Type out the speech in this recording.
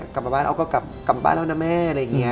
กลับมาบ้านอ๊อก็กลับมาบ้านแล้วนะแม่